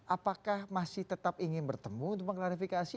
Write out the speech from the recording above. apakah masih tetap ingin bertemu untuk mengklarifikasi